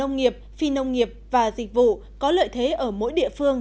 nông nghiệp phi nông nghiệp và dịch vụ có lợi thế ở mỗi địa phương